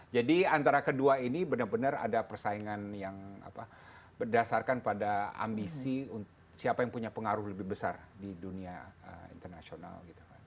jadi antara kedua ini benar benar ada persaingan yang berdasarkan pada ambisi siapa yang punya pengaruh lebih besar di dunia internasional